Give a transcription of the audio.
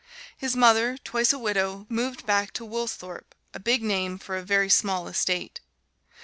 His mother, twice a widow, moved back to "Woolsthorpe," a big name for a very small estate.